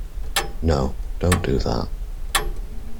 No, don't do that.